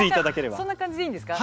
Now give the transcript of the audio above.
そんな感じでいいんですか。